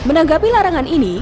menanggapi larangan ini